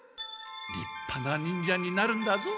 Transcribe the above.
りっぱな忍者になるんだぞ。